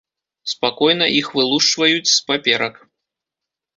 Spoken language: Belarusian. Спакойна іх вылушчваюць з паперак.